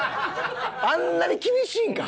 あんなに厳しいんか？